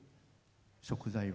食材は。